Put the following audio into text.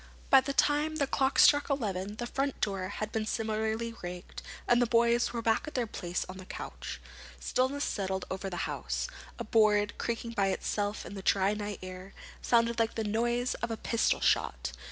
By the time the clock struck eleven the front door had been similarly rigged, and the boys were back in their place on the couch. Stillness settled over the house. A board, creaking by itself in the dry night air, sounded like the noise of a pistol shot.